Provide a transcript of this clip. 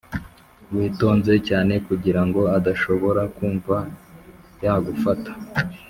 witonze cyane kugirango adashobora kumva yagufata,